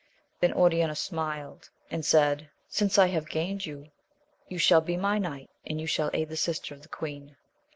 Then Oriana smiled, and said, 32 AMADI8 OF GAUL since I have gained you, you shall be my knight, and you shall aid the sister of the queen.